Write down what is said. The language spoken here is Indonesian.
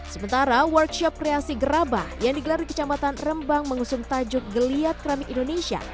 sementara workshop kreasi gerabah yang digelar di kecamatan rembang mengusung tajuk geliat keramik indonesia